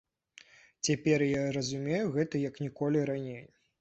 Цяпер я разумею гэта як ніколі раней.